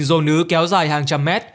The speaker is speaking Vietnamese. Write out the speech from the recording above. dồ nứ kéo dài hàng trăm mét